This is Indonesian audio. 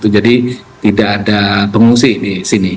tidak ada pengungsi di sini